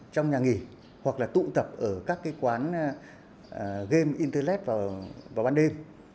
trong nhà nghỉ hoặc là tụ tập ở các cái quán game internet vào ban đêm